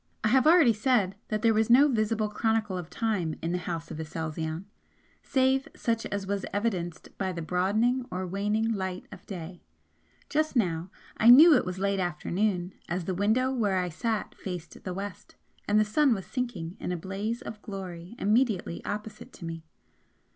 I have already said that there was no visible chronicle of time in the House of Aselzion, save such as was evidenced by the broadening or waning light of day. Just now I knew it was late afternoon, as the window where I sat faced the west, and the sun was sinking in a blaze of glory immediately opposite to me.